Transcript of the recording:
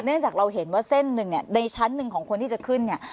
จากเราเห็นว่าเส้นหนึ่งเนี่ยในชั้นหนึ่งของคนที่จะขึ้นเนี่ย